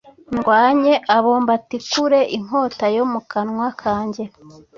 ndwanye abo mbatikure inkota yo mu kanwa kanjye.’